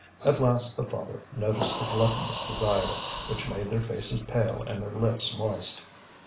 At last the father noticed the gluttonous desire which made their faces pale and their lips moist.